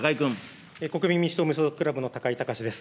国民民主党無所属クラブの高井崇志です。